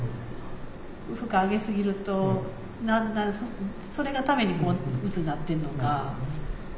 負荷上げ過ぎるとだんだんそれがためにうつになってんのか。